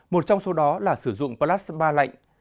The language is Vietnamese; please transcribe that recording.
một trong số đó là sử dụng plasma lạnh